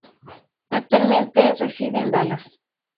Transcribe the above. Actualmente reside en Dallas.